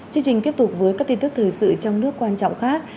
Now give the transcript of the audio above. chương trình tiếp tục với các tin tức thời sự trong nước quan trọng khác